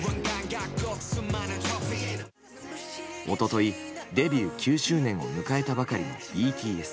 一昨日、デビュー９周年を迎えたばかりのＢＴＳ。